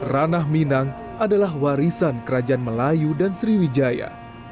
ranah minang adalah warisan kerajaan melayu dan sriwijaya